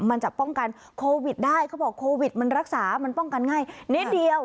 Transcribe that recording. มันจะป้องกันโควิดได้เขาบอกโควิดมันรักษามันป้องกันง่ายนิดเดียว